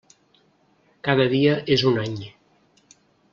Cada dia és un any.